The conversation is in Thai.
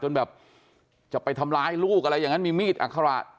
แบบจะไปทำร้ายลูกอะไรอย่างนั้นมีมีดอัคระ